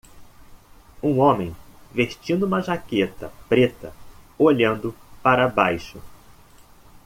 Um homem vestindo uma jaqueta preta, olhando para baixo.